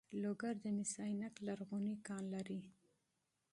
لوګر د مس عینک لرغونی کان لري